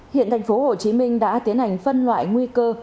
hiện tp hcm đã tiến hành phân loại nguy cơ